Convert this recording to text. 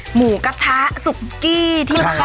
หมูกระทะซุกกี้ที่ชอบ